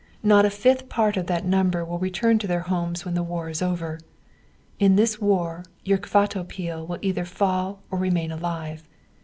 Not a fifth part of that number will return to their homes when the war is over. In this war your Kvatopil will either fall or remain alive.